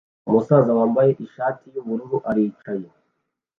Umusaza wambaye ishati yubururu aricaye